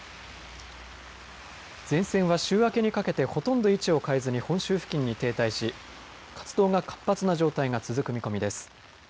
前線は、週明けにかけてほとんど位置を変えずに本州付近に停滞し、活動活発な状態が続く見込みです。